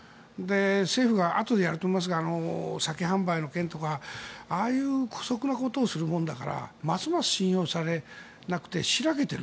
政府が、あとでやると思いますが酒販売の件とかああいう姑息なことをするもんだからますます信用されなくて白けている。